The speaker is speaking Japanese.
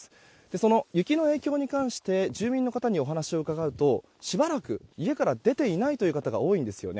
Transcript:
その雪の影響に関して住民の方にお話を伺うとしばらく家から出ていないという方が多いんですよね。